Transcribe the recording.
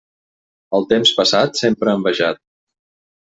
El temps passat, sempre envejat.